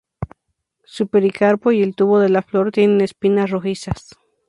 Su pericarpo y el tubo de la flor tiene espinas rojizas.